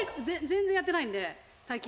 全然やってないので最近」